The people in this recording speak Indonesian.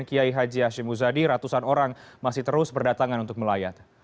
kiai haji hashim muzadi ratusan orang masih terus berdatangan untuk melayat